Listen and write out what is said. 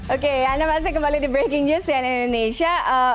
oke anda masih kembali di breaking news cnn indonesia